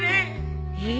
えっ？